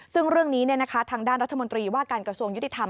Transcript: ซึ่งเรื่องนี้ทางด้านรัฐมนตรีว่าการกระทรวงยุติธรรม